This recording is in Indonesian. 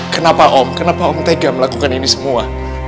kenapa om kenapa om tega melakukan ini semua